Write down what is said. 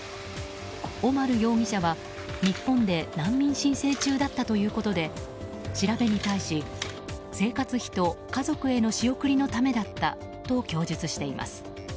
オマル容疑者は、日本で難民申請中だったということで調べに対し、生活費と家族への仕送りのためだったと供述しています。